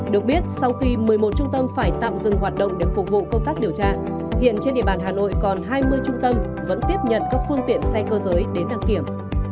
được biết sau khi một mươi một trung tâm phải tạm dừng hoạt động để phục vụ công tác điều tra hiện trên địa bàn hà nội còn hai mươi trung tâm vẫn tiếp nhận các phương tiện xe cơ giới đến đăng kiểm